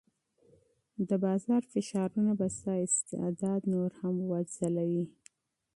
د بازار فشارونه به ستا استعداد نور هم وځلوي.